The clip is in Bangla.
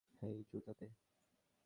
হেই, জুতা দে।